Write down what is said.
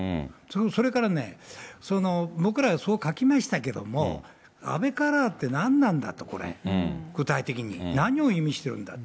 それからね、僕らはそう書きましたけれども、安倍カラーって何なんだと、これ、具体的に、何を意味してるんだと。